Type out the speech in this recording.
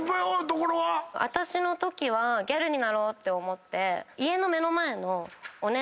私のときはギャルになろうって思って。